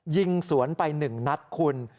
ยิงสวนไปหนึ่งนัดคุณ